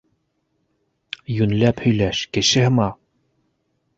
Йүнләп һөйләш, кеше һымаҡ!